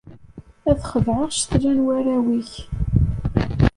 Ad xedɛeɣ ccetla n warraw-ik.